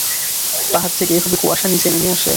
পাহাড় থেকে এভাবে কুয়াশা নিচে নেমে আসে?